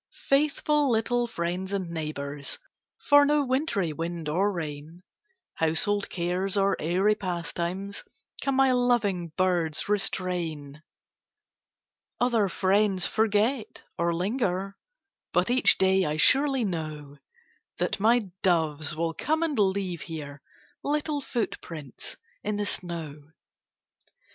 Faithful little friends and neighbors, For no wintry wind or rain, Household cares or airy pastimes, Can my loving birds restrain. Other friends forget, or linger, But each day I surely know That my doves will come and leave here Little footprints in the snow.